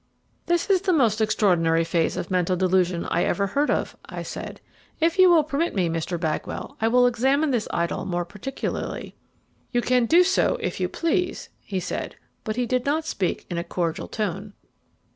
"This is the most extraordinary phase of mental delusion I ever heard of," I said. "If you will permit me, Mr. Bagwell, I will examine this idol more particularly." "You can do so if you please," he said, but he did not speak in a cordial tone.